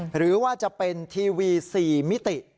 หรือว่าจะเป็นทีวี๔มิติ